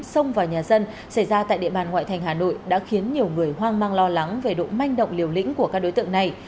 xông vào nhà dân xảy ra tại địa bàn ngoại thành hà nội đã khiến nhiều người hoang mang lo lắng về độ manh động liều lĩnh của các đối tượng này